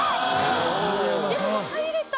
でも入れた。